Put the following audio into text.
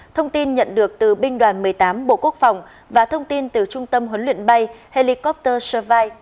thông tin nhận được từ binh đoàn một mươi tám bộ quốc phòng và thông tin từ trung tâm huấn luyện bay helicopter servi